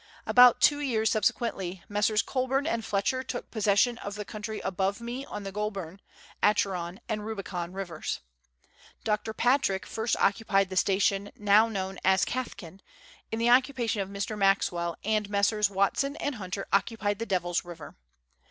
About two years subsequently Messrs. Colburn and Fletcher took possession of the country above me on the Goulburn, Acheron, and Rubicon rivers. Dr. Patrick first occu pied the station now known as Cathkin, in the occupation of Letters from Victorian Pioneers. 209 Mr. Maxwell, and Messrs. Watson and Hunter occupied the Devil's River.